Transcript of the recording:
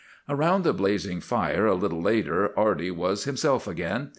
"Around the blazing fire a little later Arty was himself again.